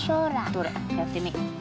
どれやってみよう。